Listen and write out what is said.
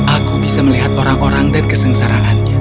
aku bisa melihat orang orang dan kesengsaraannya